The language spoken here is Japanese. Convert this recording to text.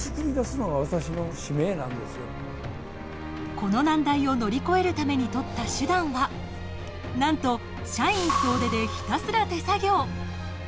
この難題を乗り越えるために取った手段はなんと社員総出でひたすら手作業。